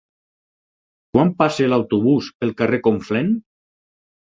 Quan passa l'autobús pel carrer Conflent?